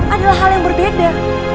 adalah hal yang berbeda